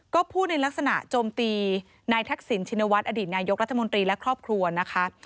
ก็พูดในลักษณะโจมตีนายทักษิณชินวัฒนอดีตนายกรัฐมนตรีและครอบครัวนะคะ